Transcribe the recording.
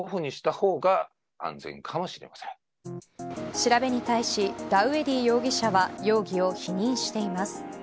調べに対しダウエディ容疑者は容疑を否認しています。